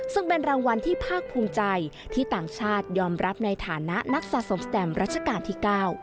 ซึ่งเป็นรางวัลที่ภาคภูมิใจที่ต่างชาติยอมรับในฐานะนักสะสมสแตมรัชกาลที่๙